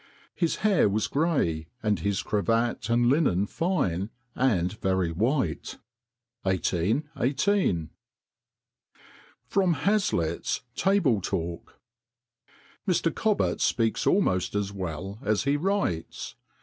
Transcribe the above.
His hair was gray, and his cravat and linen fine, and very white." 1818. [Sidenote: Hazlitt's Table Talk.] "Mr. Cobbett speaks almost as well as he writes.